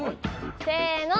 せの！